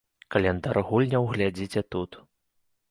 Каляндар гульняў глядзіце тут.